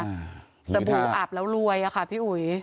สบู่อับแล้วรวยอะค่ะพี่อุ๋ย